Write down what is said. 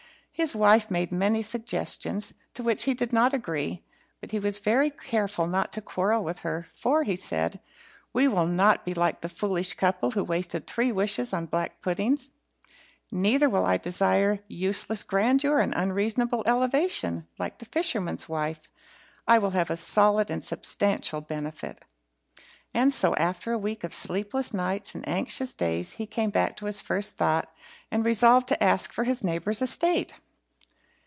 His wife made many suggestions to which he did not agree, but he was careful not to quarrel with her; "for," he said, "we will not be like the foolish couple who wasted three wishes on black puddings. Neither will I desire useless grandeur and unreasonable elevation, like the fisherman's wife. I will have a solid and substantial benefit." And so, after a week of sleepless nights and anxious days, he came back to his first thought, and resolved to ask for his neighbour's estate.